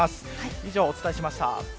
以上、お伝えしました。